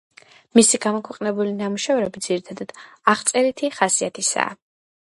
მისი გამოქვეყნებული ნამუშევრები ძირითადად აღწერითი ხასიათისაა.